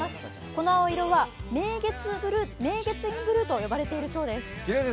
この青色は明月院ブルーと呼ばれているそうです。